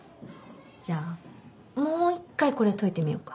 じゃあもう一回これ解いてみようか。